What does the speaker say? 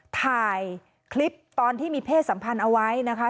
ถ่ายคลิปตอนที่มีเพศสัมพันธ์เอาไว้นะคะ